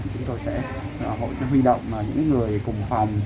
chúng tôi sẽ hội sẽ huy động những người cùng phòng